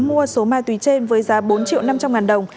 mua số ma túy trên với giá bốn triệu năm trăm linh ngàn đồng